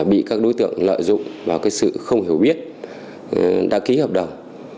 bị các đối tượng lợi dụng vào sự không hiểu biết đã ký hợp đồng